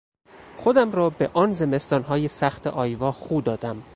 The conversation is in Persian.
خودم را به آن زمستانهای سخت آیوا خو دادم.